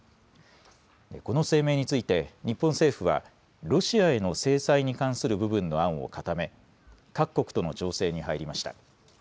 この声明について日本政府はロシアへの制裁に関する部分の案を固め各国との調整に入りました。